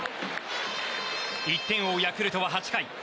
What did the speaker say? １点を追うヤクルトは８回。